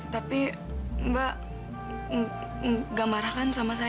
tapi mbak gak marah kan sama saya